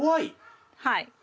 はい。